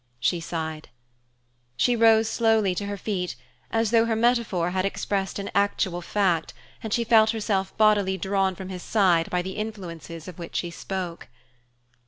she sighed. She rose slowly to her feet, as though her metaphor had expressed an actual fact and she felt herself bodily drawn from his side by the influences of which she spoke.